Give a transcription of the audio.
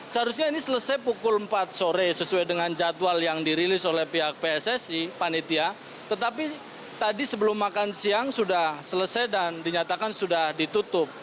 seharusnya ini selesai pukul empat sore sesuai dengan jadwal yang dirilis oleh pihak pssi panitia tetapi tadi sebelum makan siang sudah selesai dan dinyatakan sudah ditutup